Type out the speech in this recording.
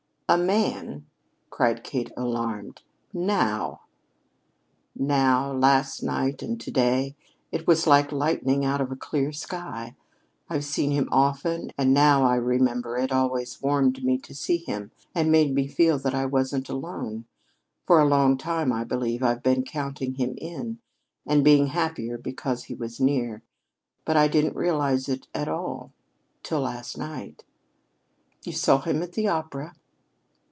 "A man!" cried Kate, alarmed. "Now!" "Now! Last night. And to day. It was like lightning out of a clear sky. I've seen him often, and now I remember it always warmed me to see him, and made me feel that I wasn't alone. For a long time, I believe, I've been counting him in, and being happier because he was near. But I didn't realize it at all till last night." "You saw him after the opera?"